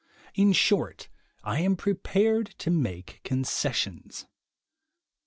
In short, I am pre pared to make concessions.